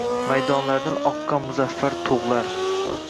Maydonlardan oqqan muzaffar tug’lar..